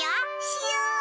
しよう！